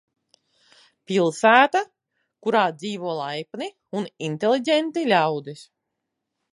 Pilsēta, kurā dzīvo laipni un inteliģenti ļaudis.